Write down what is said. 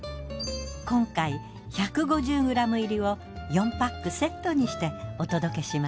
今回１５０ｇ入りを４パックセットにしてお届けします。